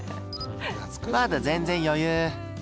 まだ全然余裕。